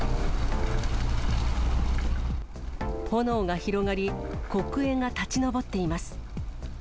炎が広がり、黒煙が立ち上っています。